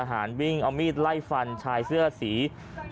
หัวหลักหัวหลัก